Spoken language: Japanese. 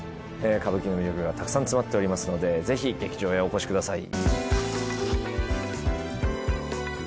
歌舞伎の魅力がたくさん詰まっておりますのでぜひ劇場へお越しください